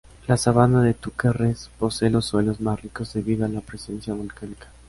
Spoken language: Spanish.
La sabana de Túquerres posee los suelos más ricos debido a la presencia volcánica.